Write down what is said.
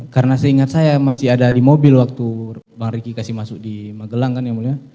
karena seingat saya masih ada di mobil waktu bang riki kasih masuk di magelang kan ya mulia